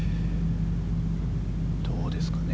どうですかね